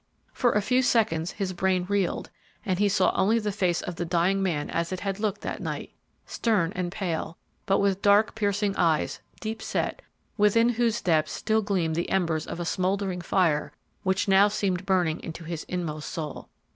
For a few seconds his brain reeled, and he saw only the face of the dying man as it looked that night, stern and pale, but with dark, piercing eyes, deep set, within whose depths still gleamed the embers of a smouldering fire which now seemed burning into his inmost soul.